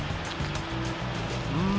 うん